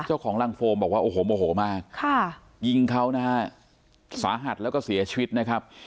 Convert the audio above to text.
เจ้าของรังโฟมบอกว่าโอ้โหโมโหมากค่ะยิงเขานะฮะสาหัสแล้วก็เสียชีวิตนะครับ